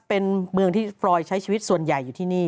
เป็นเมืองที่ฟรอยใช้ชีวิตส่วนใหญ่อยู่ที่นี่